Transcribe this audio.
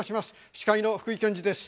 司会の福井謙二です。